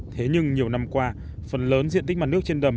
thế nhưng nhiều năm qua phần lớn diện tích mặt nước trên đầm